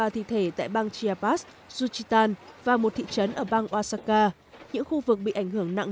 ba thi thể tại bang chiapas juchitan và một thị trấn ở bang osaka những khu vực bị ảnh hưởng nặng